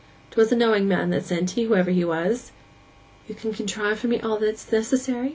'Twas a knowing man that sent 'ee, whoever he was.' 'You can contrive for me all that's necessary?